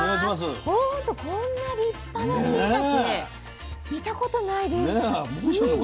ほんとこんな立派なしいたけ見たことないです。ね。